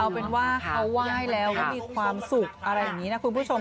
เอาเป็นว่าเขาไหว้แล้วก็มีความสุขอะไรอย่างนี้นะคุณผู้ชม